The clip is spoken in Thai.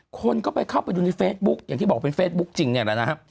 คนก็ไปเข้าไปดูในเฟซบุ๊กอย่างที่บอกเป็นเฟซบุ๊คจริงเนี่ยแหละนะฮะ